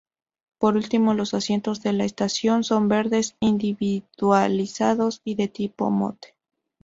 Por último, los asientos de la estación son verdes, individualizados y de tipo "Motte".